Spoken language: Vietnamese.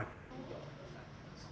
tại nhiều công ty du lịch